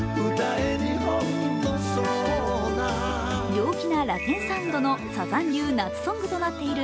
陽気なラテンサウンドのサザン流夏ソングとなっている